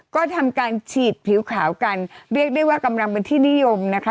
ก็ทำการฉีดผิวขาวกันเรียกได้ว่ากำลังเป็นที่นิยมนะคะ